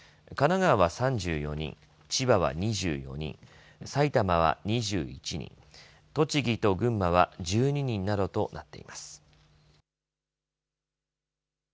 神奈川は３４人千葉は２４人、埼玉は２１人栃木と群馬は１２人などとなっています。